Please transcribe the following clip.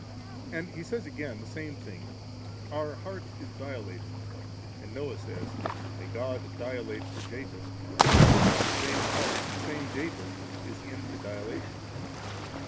And he szys again the same thing, * Our heart is dilated' ;' and Noah says, 'May God dilate for Japheth^' for the same heart and the same Tapheth is in the dilatation.